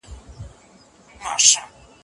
د سر په غم کي ټوله دنیا ده